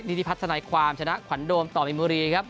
ที่พัฒนาความชนะขวัญโดมต่อมินบุรีครับ